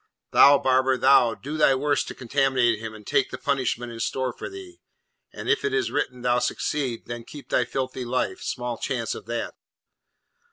Thou barber, thou! do thy worst to contaminate him, and take the punishment in store for thee. And if it is written thou succeed, then keep thy filthy life: small chance of that!'